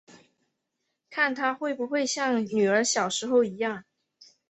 看她会不会像女儿小时候一样